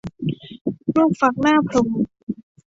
ลูกฟักหน้าพรหม